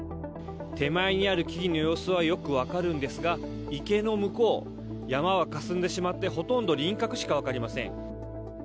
手前にある木々の様子はよく分かるんですが、池の向こう、山はかすんでしまってほとんど輪郭しか分かりません。